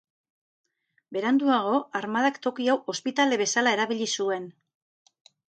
Beranduago, armadak, toki hau ospitale bezala erabili zuen.